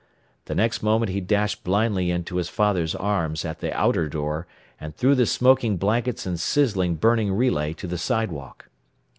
The next moment he dashed blindly into his father's arms at the outer door, and threw the smoking blankets and sizzling, burning relay to the sidewalk.